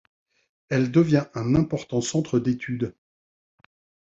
Elle devient un important centre d'étude.